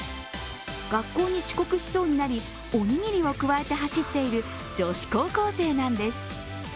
学校に遅刻しそうになり、おにぎりをくわえて走っている女子高校生なんです。